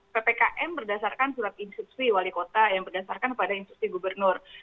ppkm berdasarkan surat instruksi wali kota yang berdasarkan kepada instruksi gubernur